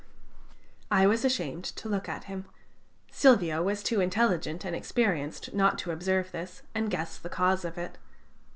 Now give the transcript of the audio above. I was ashamed to look at him. Silvio was too intelligent and experienced not to observe this and guess the cause of it.